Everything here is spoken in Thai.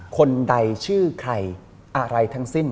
คนใดชื่อใครอะไรทั้งสิ้น